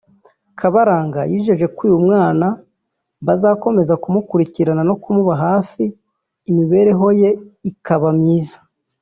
Kabaranga yijeje ko uyu mwana bazakomeza kumukurikirana no kumuba hafi imibereho ye ikaba myiza